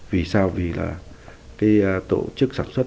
vì sao vì là tổ chức sản xuất